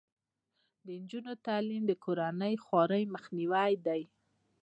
د نجونو تعلیم د کورنۍ خوارۍ مخنیوی دی.